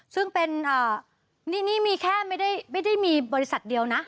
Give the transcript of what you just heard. ซึ่งเป็นนี่มีแค่ไม่ได้มีบริษัทเดียวนะ